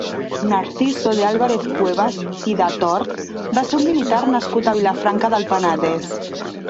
Narciso de Álvarez-Cuevas i de Tord va ser un militar nascut a Vilafranca del Penedès.